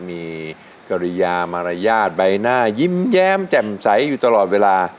มีกริยามารยาทใบหน้ายิ้มแย้มแจ่มใสอยู่ตลอดเวลา